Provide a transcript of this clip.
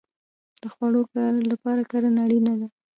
د خوړو لپاره کرنه اړین ده